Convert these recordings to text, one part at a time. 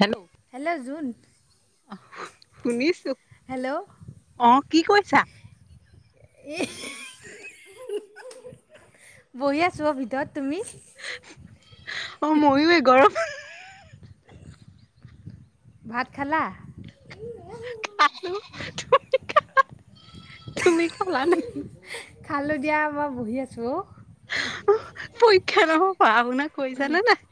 Hello hello জুোন তুনিছ hello কি কৈছা এই বহি আছোঁ অ ভিতৰত তুমি অ ময়ো গৰম ভাত খালা খাল তুমি খ তুমি খালা ন খালো দিয়া মই বহি আছোঁ অ পৰীক্ষা নহ পঢ় শুনা কৈছান নাই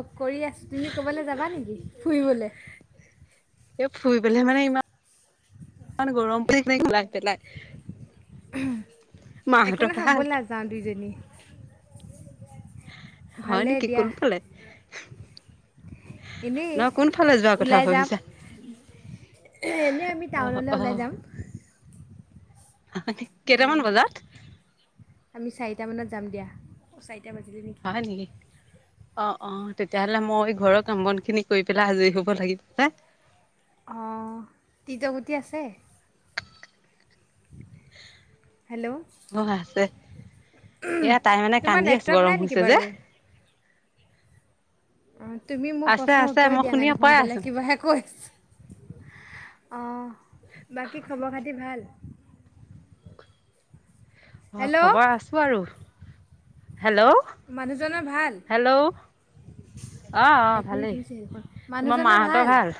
অঁ কৰি আছোঁ তুমি ক'ৰবাল যাবা নেকি ফুৰিবলৈ এ ফুৰি পেলাই মানে ইমান ই গৰম পৰি কিল পেলাই একো ন মাহঁতৰ হ'ব ভাল নাযাওঁ দুইজনী হয় ভালেই নেকি? দিয়া কোনফালে? এনেই ন কোনফালে যোৱা কথা ওলাই যাম ভাবিছা? এনেই আমি অ টাউনলৈ অ ওলাই যাম। [unintelligible] কেইটামান উম, বজাত? টামানত যাম দিয়া। অ' চাৰিটা বাজিলি নেকি! অ', অ', তেতিয়াহ'লে মই ঘৰৰ কাম বন খিনি কৰি পেলাই আজৰি হ'ব লাগিব পাই। অঁ, [unintelligible] আছে? [unintelligible] হেল্ল' [unintelligible] আছে। এয়া তাই মানে তোমাৰ কান্দি আছে, নেটৱৰ্ক গৰম নাই নেকি হৈছে যে। বাৰু অ', তুমি মোৰ আছে প্ৰশ্নৰ আছে উত্তৰে মই দিয়া শুনি নাই দেখোন, পাই আছো বেলেগ কিবাহে কৈ আছ অঁ। বাকী খবৰ খাতি ভাল? অ', হেল্ল' খবৰ আছো আৰু। হেল্ল'? মানুহজনৰ ভাল হেল্ল'? অ', এক অ', মিনিট ভালেই। হৈছে সেইখন তোমাৰ মানুহজনৰ মাহঁতৰ ভাল?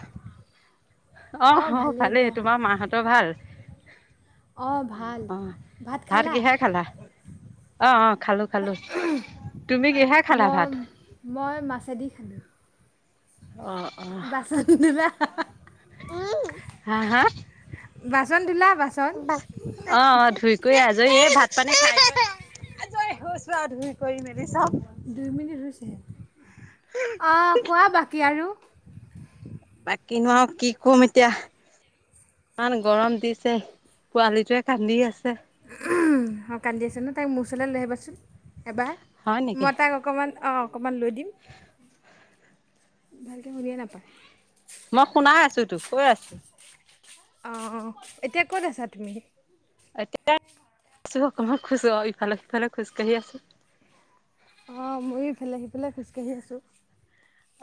অঁ, অহ ভালেই। তোমাৰ মাহঁতৰ ভাল? অঁ ভাল অ', অ'। ভাত কিহে খালা? অঁ, অঁ, খালো খালো। তুমি কিহে খালা মই ভাত মই মাছেদি খালো। অ অ বাচন হা হা [unintelligible] বাচন ধূলা? বাচন অ', অ', ধুই কৰি আজ [unintelligible] এ ভাত পানী খাই [unintelligible] আজৰি হৈছো আৰু ধুই কৰি মেলি। চব দুই মিনিট হৈছে। অঁ, কোৱা বাকী আৰু? কিনো আৰু কি কম এতিয়া। ইমান গৰম দিছে। পোৱালিটোৱে কান্দি আছে। [unintelligible] অ', কান্দি আছে ন'। তাক মোৰ ওচৰলৈ লৈ আহিবাচোন এবাৰ হয় নেকি মই তাক অকণমান অ অকণমান লৈ দিম। ভালকে শুনিয়ে নাপায়। মই শুনাই আছো তো, কৈ আছো। অঁ, এতিয়া ক'ত আছা তুমি? এতিয়া [unintelligible] আছো অকমান খোজ, অঁ ইফালে সিফালে খোজকাঢ়ি আছোঁ। অ', ময়ো ইফালে সিফালে খোজকাঢ়ি আছোঁ।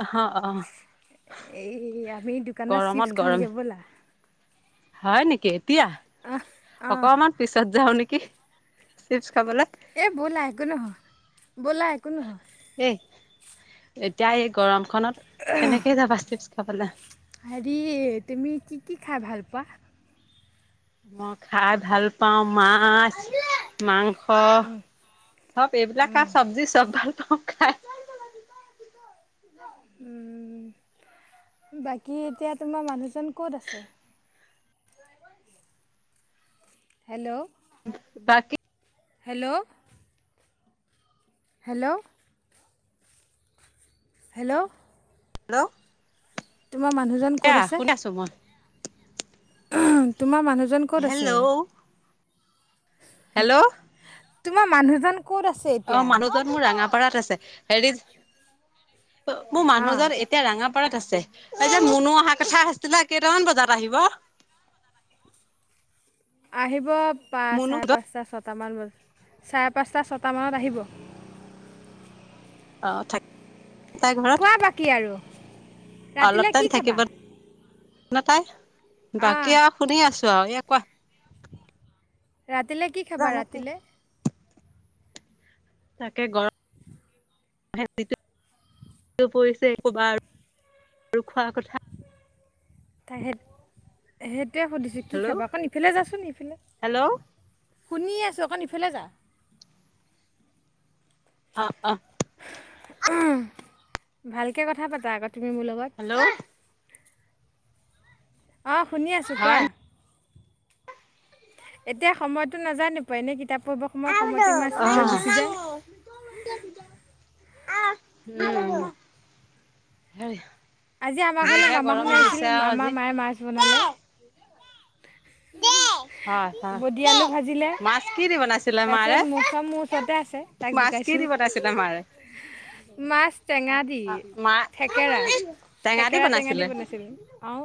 অহ, অহ। এই আমি দোকানত চিপছ গৰমত খাওঁগে গৰমে ব'লা। হয় নেকি, এতিয়া? আহ। অ', অকমান পিছত যাওঁ নেকি। কি? চিপছ খাবলে এই ব'লা একো নহয়। ব'লা একো নহয়। এই এতিয়া এই গৰমখনত কেনেকে যাবা চিপছ খাবলে? হেৰি, তুমি কি কি খাই ভাল পোৱা? মই খাই ভাল পাওঁ মাছ মাং স চব এইবিলাক। আৰু চবজি চব ভাল [unintelligible] উম, বাকী এতিয়া তোমাৰ মানুহজন ক'ত আছে? হেল্ল'? বাকী হেল্ল'? হেল্ল'? হেল্ল'? হেল্ল'? তোমাৰ মানুহজন এয়া ক'ত আছে? শুনি আছো মই উম তোমাৰ মানুহজন ক'ত হেল্ল' আছে হেল্ল' তোমাৰ মানুহজন ক'ত আছে অ এতিয়া? মানুহজন মোৰ ৰাঙাপাৰাত আছে হেৰি মোৰ অ', মানুহজন এতিয়া ৰাঙা পাৰাত আছে এ যে মুনু অহা কথা আছিলে কেইটামান বজাত আহিব আহিব পা মুনু অ চাৰে পাঁচটা ছটা ছটামান বজ চাৰে পাঁচটা ছটামানত আহিব অ থাক তাই ঘৰত খোৱা বাকী আৰু অলপ ৰাতিলৈ কি টাইম খাবা থাকিব শু ন তাই অঁ বাকী আৰু শুনি আছো আৰু এ কোৱা [unintelligible] ৰাতিলৈ কি খাবা জানো কি ৰাতিলৈ তাকে গ [unintelligible] ৰমে পৰিছে ক'ৰবাৰ আৰু খোৱাৰ কথা [unintelligible] তাই সেই সেইটোৱে সুধিছোঁ কি হেল্ল' খাব অকণ ইফালে যাচোন ইফালে হেল্ল' অ শুনিে আছোঁ অকণ ইফালে যা অ অহ উম ভালকে কথা পাতা আকৌ তুমি মোৰ লগত হেল্ল' হয় অ শুনি আছো কোৱা উম এতিয়া সময়তো নাজানো পোৱা এনে কিতাপ পঢ়িব সময় সময়তে ইমান স্পিডট গুচি যায় উ হ [unintelligible] আজি আমাৰ ঘৰলৈ মামা শুনাইছিল আজি মামাৰ মায়ে মাছ বনালে উম হয় মাছ কি দি বনাইছিলে তাৰপিছত মাৰে মৌচম মোৰ ওচৰতে আছে তাক কি জোকাইছোঁ দি পতাইছে তমাৰে মাছ টেঙা দি থেকেৰা টেঙা থেকেৰা টেঙা বনাইছিলে দি বনাইছিলো আহ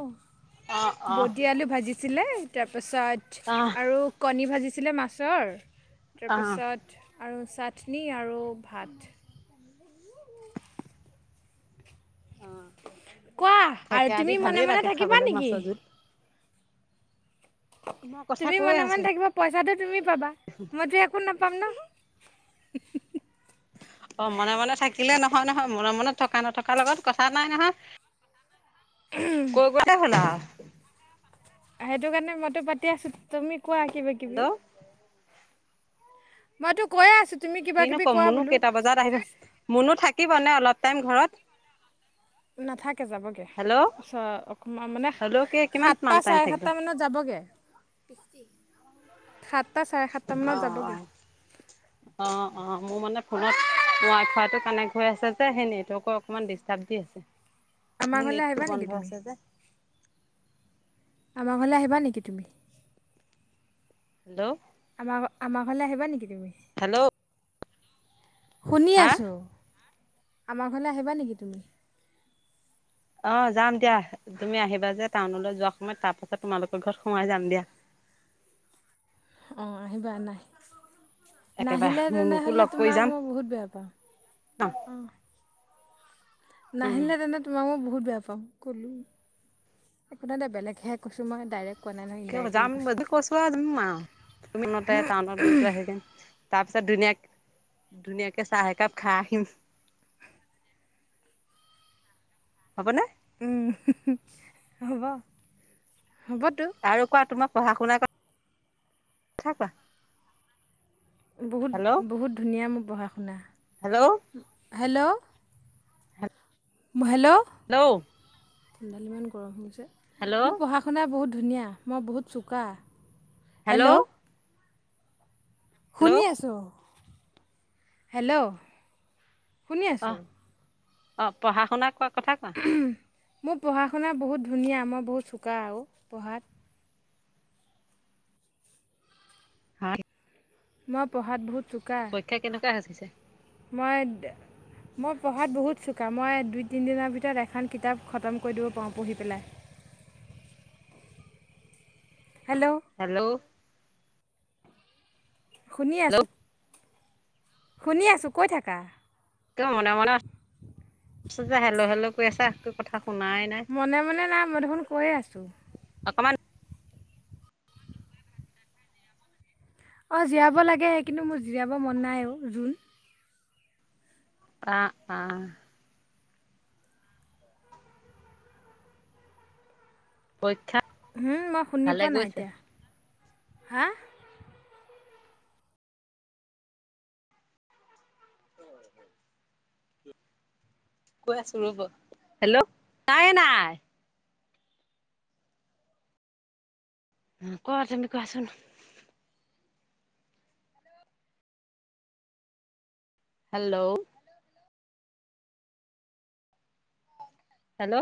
অ অ বটি আলু ভাজিছিলে তাৰপিছত অ আৰু কণী ভিছিল আছিলে মাছৰ অ তাৰপিছত আৰু চাটনি আৰু ভাত অ কোৱা আৰু থেকেৰা দি তুমি মনে ভালেই মনে লাগে থাকিবা খাবলৈ নেকি মাছৰ জোল মই কথা তুমি কৈয়ে মনে আছো মনে থাকিব পইচাটো তুমি পাবা মইতো একো নাপাম ন [inaudible] অ মনে মনে থাকিলে নহয় নহয় মনে মনে থকা নথকাৰ লগত কথা নাই নহয় ক গটা হল সেইটো কাৰণে মইতো পাতি আছো তুমি কোৱা কিবা কিবি হেল্ল' মই তো কৈ আছো কিনো কম মনো কেইটা বজাত আহিবা মনো থাকিব নে অলপ টাইম ঘৰত নাথাকে যাবগে হেল্ল' ওচ অকমান মানে হেল্ল' কি কিমান সাতটা মান টাইম চাৰে থাকিব সাতটা মানত যাবগে থাত সাতটা চাৰে সাতটাামানত যাবগৈ অ', অ', মোৰ মানে ফোনত ৱাই ফাইটো কানেক্ট হৈ আছে যে সেই নেটৱৰ্কৰ অকমান ডিষ্টাৰ দি আছে আমাৰ মোৰ ঘৰলৈ আহিবা নটটো নেকি বন্ধ তুমি আছে যে আমাৰ ঘৰলৈ আহিবা নেকি তুমি হেল্ল' আমাৰ ঘ আমাৰ ঘৰলৈ আহিবা নেকি তুমি হেল্ল' শুনি হা আছোঁ আমাৰ ঘৰলৈ আহিবা নেকি তুমি অ যাম দিয়া তুমি আহিবা যে টাউনলৈ যোৱা সময়ত তাৰ পাছত তোমালোকৰ ঘৰত সোমাই যাম দিয়া [inaudible] অ' আহিবা নাই। একেবাৰে নাহিলে মুনুকো তেনেহ'লে লগ কৰি তোমাক যাম মই বহুত বেয়া পাাম ন অ'। উম নাহিলে তেনে তোমাক মই বহুত বেয়া পাওঁ ক'লো একো নহয় দে বেলেগ কৈয়ছো, মই ডাইৰেক্ট কোৱা নাই নহয় কিহৰ পৰা ইনডাইৰেক্টলি যাম কৈছোঁ বুলি কছো আ যাম আ তুমি ফোনতে টাউনত গৈ পেলাই আহ। তাৰ পিছত ধুনীয়াক ধুনীয়াকে চাহ একাপ খাই আহিম। হ'বনে। হ'ব। হ'বতো আৰু কোৱা তোমাৰ পঢ়া শুনা কথা। কথা কোৱা। বহুত হেল্ল' বহুত ধুনীয়া মোৰ পঢ়া শুনা। হেল্ল' হেল্ল' হেল্ল' হেল্ল' কোনডাল ইমান গৰম হৈ গৈছে, হেল্ল' মোৰ পঢ়া শুনা বহুত ধুনীয়া মই বহুত চোকা। হেল্ল' হেল্ল' শুনি আছোঁ। হেল্ল' শুনি অ আছোঁ। অ' পঢ়া শুনা কোৱা কথা কোৱা। মোৰ পঢ়া শুনা বহুত ধুনীয়া। মই বহুত চোকা আৰু পঢ়াত। মই পঢ়াত বহুত চোকা। কিয় হাচিছে। মই মই পঢ়াত বহুত চোকা মই দুই তিনিদিনৰ ভিতৰত এখন কিতাপ খতম কৰি দিব পাৰোঁ পঢ়ি পেলাই। [inaudible] হেল্ল' হেল্ল' শুনি আছোঁ। হেল্ল' শুনি আছোঁ কৈ থাকা। তুমি মনে মনে আছা যে হেল্লো হেল্লো কৈ আছা কথা একো কথা। শুনাই নাই মনে মনে নাই মই দেখোন কৈয়ে আছোঁ। অকমান অ' জীয়াব লাগে কিন্তু মোৰ জীয়াব মন নাই অ' জোণ। আহ-আহ [unintelligible] উম, মই শুনি ভালে পোৱা নাই গৈছে এতিয়া হা। কৈ আছো ৰ'ব হেল্ল' নাইে নাই। উ, কোৱা তুমি কোৱাচোন। Hello hello